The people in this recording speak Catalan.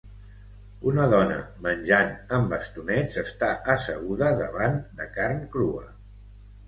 Una dona menjant amb bastonets està asseguda davant de carn crua.